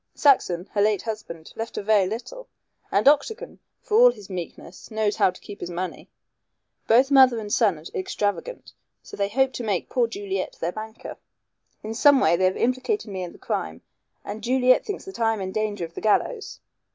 Saxon, her late husband, left her very little, and Octagon, for all his meekness, knows how to keep his money. Both mother and son are extravagant, so they hope to make poor Juliet their banker. In some way they have implicated me in the crime, and Juliet thinks that I am in danger of the gallows.